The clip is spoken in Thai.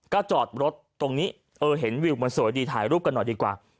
ก็จอดรถตรงนี้เออเห็นวิวมันสวยดีถ่ายรูปกันหน่อยดีกว่า